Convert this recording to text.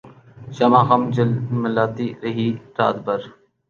شمع غم جھلملاتی رہی رات بھر